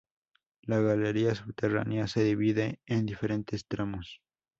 La galería subterránea se divide en diferentes tramos.